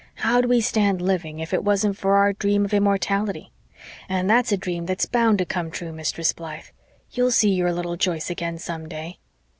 How'd we stand living if it wasn't for our dream of immortality? And that's a dream that's BOUND to come true, Mistress Blythe. You'll see your little Joyce again some day."